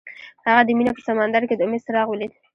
هغه د مینه په سمندر کې د امید څراغ ولید.